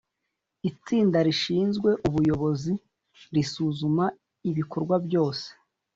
itsinda rishinzwe ubuyobozi risuzuma ibikorwa byose.